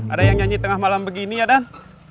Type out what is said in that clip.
ada yang nyanyi tengah malam begini ya dan